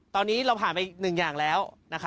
ตอนนี้เราผ่านไป๑อย่างแล้ว